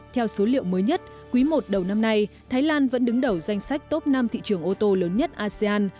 theo số liệu mới nhất quý i đầu năm nay thái lan vẫn đứng đầu danh sách top năm thị trường ô tô lớn nhất asean